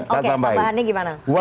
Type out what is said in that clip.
oke tambahannya gimana